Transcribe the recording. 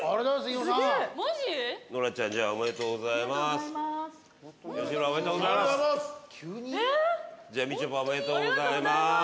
吉村おめでとうございます。